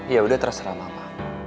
yaudah terserah mama